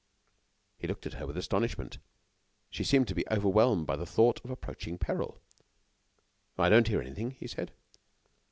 He looked at her with astonishment. She seemed to be overwhelmed by the thought of approaching peril. "I don't hear anything," he said.